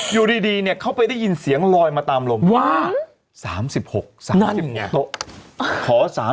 อยู่ดีเนี่ยเขาไปได้ยินเสียงลอยมาตามลมว่า๓๖๓